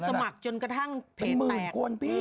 คนสมัครจนกระทั่งเผ็ดแตก